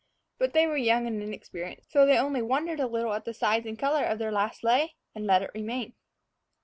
But they were young and inexperienced, so they had only wondered a little at the size and color of their last lay, and let it remain.